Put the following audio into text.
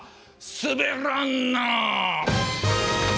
すべらんなあ。